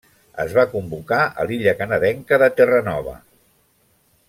Es va convocar a l'illa canadenca de Terranova.